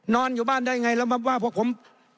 นอนอยู่บ้านได้ยังไงแล้วมันว่าเพราะผม